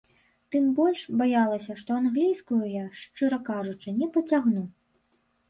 Тым больш, баялася, што англійскую я, шчыра кажучы, не пацягну.